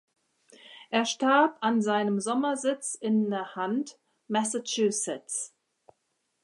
Er starb an seinem Sommersitz in Nahant, Massachusetts.